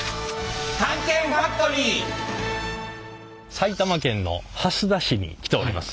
埼玉県の蓮田市に来ております。